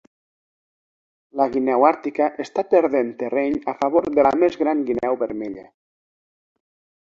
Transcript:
La guineu àrtica està perdent terreny a favor de la més gran guineu vermella.